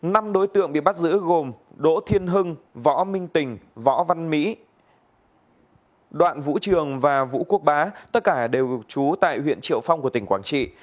năm đối tượng bị bắt giữ gồm đỗ thiên hưng võ minh tình võ văn mỹ đoạn vũ trường và vũ quốc bá tất cả đều trú tại huyện triệu phong của tỉnh quảng trị